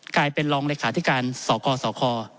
กลายเป็นรองเลขาธิการสกสค